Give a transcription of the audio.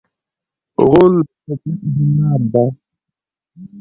غول د طبعیت هنداره ده.